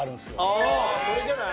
あそれじゃない？